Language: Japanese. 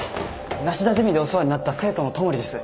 梨多ゼミでお世話になった生徒の戸守です。